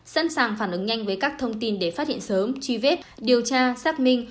sẵn sàng phản ứng nhanh với các thông tin để phát hiện sớm truy vết điều tra xác minh